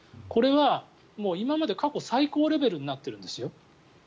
これは、今まで過去最高レベルになってるんですよ。